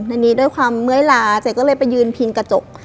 อันนี้ด้วยความเมื่อยลาเจ๊ก็เลยไปยืนพิงกระจก